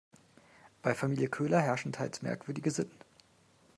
Bei Familie Köhler herrschen teils merkwürdige Sitten.